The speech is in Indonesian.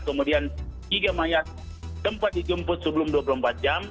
kemudian tiga mayat tempat dijemput sebelum dua puluh empat jam